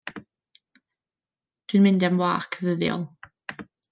Dw i'n mynd am wâc ddyddiol.